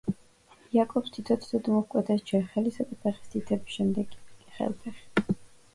იაკობს თითო-თითოდ მოჰკვეთეს ჯერ ხელისა და ფეხის თითები, შემდეგ კი ხელ-ფეხი.